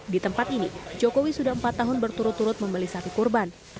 di tempat ini jokowi sudah empat tahun berturut turut membeli sapi kurban